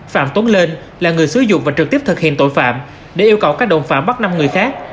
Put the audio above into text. phạm tuấn lên là người sử dụng và trực tiếp thực hiện tội phạm để yêu cầu các đồng phạm bắt năm người khác